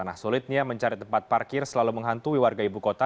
nah sulitnya mencari tempat parkir selalu menghantui warga ibu kota